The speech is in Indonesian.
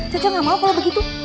coyoyo enggak mau kalau begitu